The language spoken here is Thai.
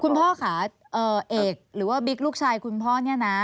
พ่อค่ะเอกหรือว่าบิ๊กลูกชายคุณพ่อเนี่ยนะ